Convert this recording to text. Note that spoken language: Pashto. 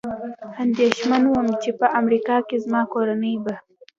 اندېښمن ووم، چې په امریکا کې زما کورنۍ به.